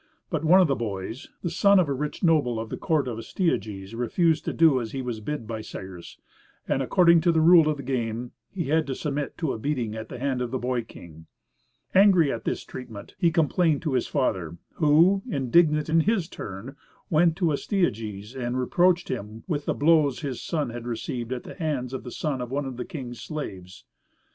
But one of the boys, the son of a rich noble of the court of Astyages, refused to do as he was bid by Cyrus, and according to the rule of the game, he had to submit to a beating at the hand of the boy king. Angry at this treatment, he complained to his father, who, indignant in his turn, went to Astyages, and reproached him with the blows his son had received at the hands of the son of one of the king's slaves.